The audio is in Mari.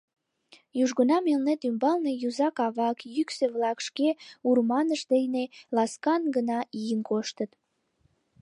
Южгунам Элнет ӱмбалне узак-авак йӱксӧ-влак шке урманышт дене ласкан гына ийын коштыт.